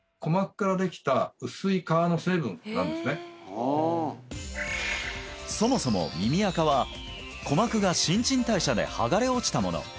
ああそもそも耳アカは鼓膜が新陳代謝で剥がれ落ちたもの